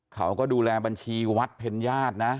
เขาก็ดูแลบัญชีวัดเพ็ญญาตินะ